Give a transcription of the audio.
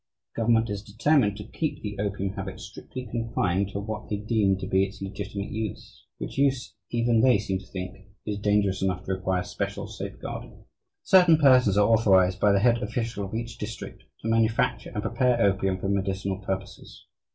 The government is determined to keep the opium habit strictly confined to what they deem to be its legitimate use, which use even, they seem to think, is dangerous enough to require special safeguarding. "Certain persons are authorized by the head official of each district to manufacture and prepare opium for medicinal purposes....